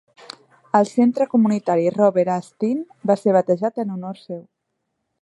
El centre comunitari Robert A. Steen va ser batejat en honor seu.